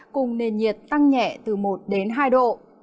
cùng nền nhiệt tăng nhẹ từ một đến hai độ